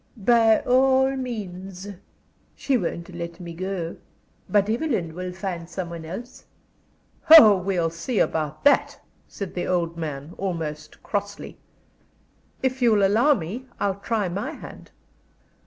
"By all means. She won't let me go. But Evelyn will find some one else." "Oh, we'll see about that," said the old man, almost crossly. "If you'll allow me I'll try my hand."